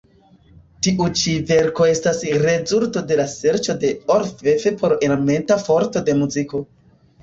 Tiu ĉi verko estas rezulto de serĉo de Orff por elementa forto de muziko.